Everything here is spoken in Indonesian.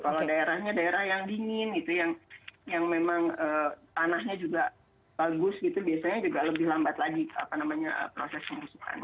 kalau daerahnya daerah yang dingin gitu yang memang tanahnya juga bagus gitu biasanya juga lebih lambat lagi proses pemusuhan